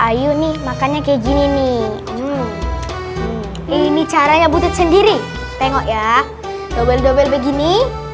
ayo nih makannya kayak gini nih ini caranya butet sendiri tengok ya dobel dobel begini